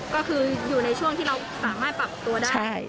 ก็คืออยู่ในช่วงที่เราสามารถปรับตัวได้